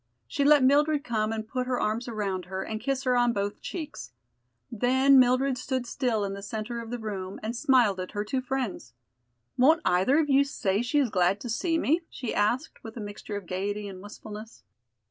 She let Mildred come and put her arms around her and kiss her on both cheeks. Then Mildred stood still in the center of the room and smiled at her two friends. "Won't either one of you say she is glad to see me?" she asked, with a mixture of gayety and wistfulness.